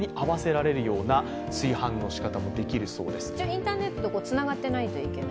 インターネットとつながっていないといけない？